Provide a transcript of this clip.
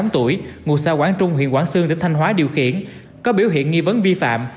hai mươi tám tuổi ngủ xa quảng trung huyện quảng xương tỉnh thành hóa điều khiển có biểu hiện nghi vấn vi phạm